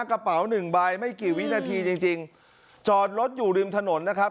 กระเป๋าหนึ่งใบไม่กี่วินาทีจริงจริงจอดรถอยู่ริมถนนนะครับ